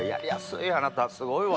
あなたすごいわ。